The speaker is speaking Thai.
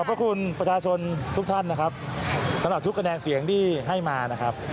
พระคุณประชาชนทุกท่านนะครับสำหรับทุกคะแนนเสียงที่ให้มานะครับ